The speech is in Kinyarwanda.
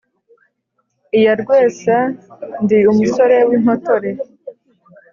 iyarwesa ndi umusore w’impotore